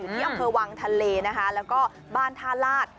อยู่ที่หวังทะเลและบ้านทาราส